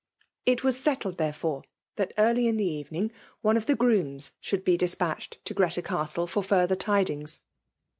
It was settled, there&>r^ that early in the evening, one of the grooms should be dispatched . to Greta Castle Sot further tidings.